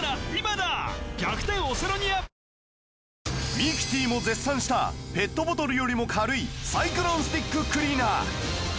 ミキティも絶賛したペットボトルよりも軽いサイクロンスティッククリーナー